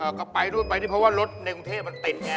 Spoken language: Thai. เอ่อก็ไปรวดไปที่เพราะว่ารถในกรุงเทศมันติดไง